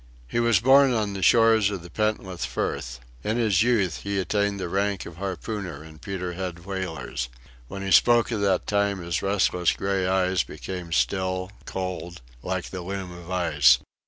He was born on the shores of the Pentland Firth. In his youth he attained the rank of harpooner in Peterhead whalers. When he spoke of that time his restless grey eyes became still and cold, like the loom of ice.